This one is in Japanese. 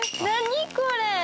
何これ？